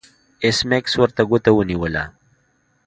ایس میکس ورته ګوته ونیوله